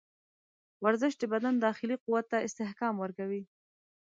ورزش د بدن داخلي قوت ته استحکام ورکوي.